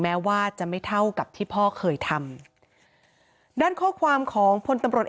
แม้ว่าจะไม่เท่ากับที่พ่อเคยทำด้านข้อความของพลตำรวจเอก